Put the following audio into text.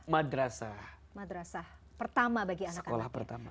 madrasah pertama bagi anak anak pertama